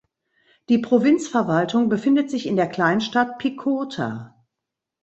Die Provinzverwaltung befindet sich in der Kleinstadt Picota.